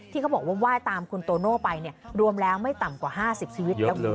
เขาบอกว่าไหว้ตามคุณโตโน่ไปรวมแล้วไม่ต่ำกว่า๕๐ชีวิต